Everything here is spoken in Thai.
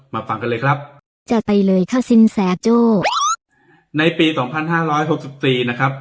ฟังกันเลยครับจะไปเลยเข้าสินแสโจ้ในปีสองพันห้าร้อยหกสิบสี่นะครับ